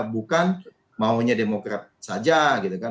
bukan maunya demokrat saja gitu kan